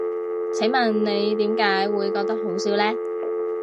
請問你點解會覺得好笑呢？